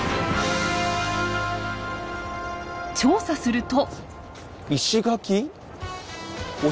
調査すると。